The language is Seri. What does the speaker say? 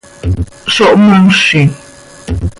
¡Zo mhoozi!